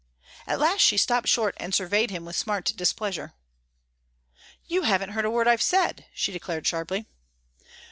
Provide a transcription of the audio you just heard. At last she stopped short and surveyed him with smart displeasure. "You haven't heard a word I've said," she declared sharply.